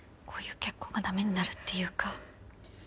こういう結婚が駄目になるっていうか。